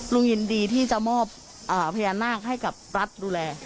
ลุงยินดีที่จะมอบพญานาคให้กับรัฐดูแล